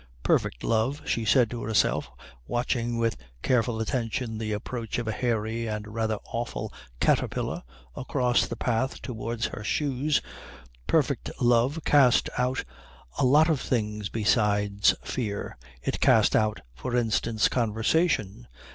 Perfect love, she said to herself, watching with careful attention the approach of a hairy and rather awful caterpillar across the path towards her shoes, perfect love cast out a lot of things besides fear. It cast out, for instance, conversation.